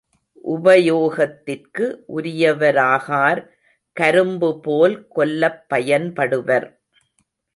உபயோகத்திற்கு உரியவராகார் கரும்புபோல் கொல்லப்பயன்படுவர்.